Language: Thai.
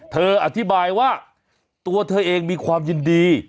อธิบายว่าตัวเธอเองมีความยินดี